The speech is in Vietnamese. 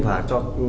và cho các